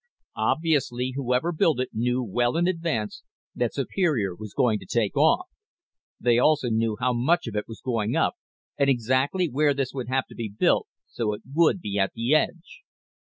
Obviously, whoever built it knew well in advance that Superior was going to take off. They also knew how much of it was going up and exactly where this would have to be built so it would be at the edge."